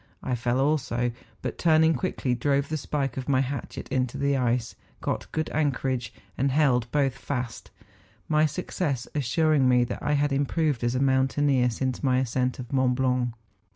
I fell also, but turning quickly, drove the spike of my hatchet into the ice, got good anchorage, and held both fast ;—my success assuring me that I had improved as a mountaineer since my ascent of Mont Blanc.